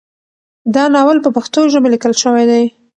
دا ناول په پښتو ژبه لیکل شوی دی.